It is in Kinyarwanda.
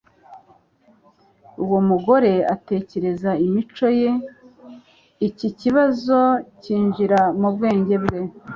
Uwo mugore atekereza imico-ye. Iki kibazo cyinjira mu bwenge bwe,